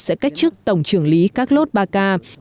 sẽ cách chức tổng trưởng lý carlos baca